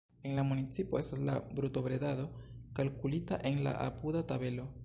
En la municipo estas la brutobredado kalkulita en la apuda tabelo.